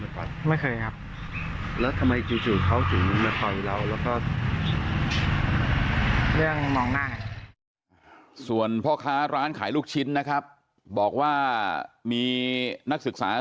ส่วนพ่อค้าร้านขายลูกชิ้นนะครับบอกว่ามีนักศึกษา